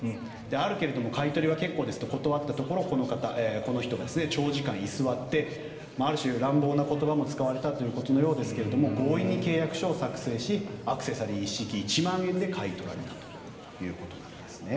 あるけれど買い取りは結構ですと断ったところこの人が長時間居座ってある種、乱暴な言葉も使われたということのようですが強引に契約書を作成しアクセサリー一式１万円で買い取られたということなんです。